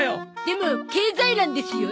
でも経済欄ですよ。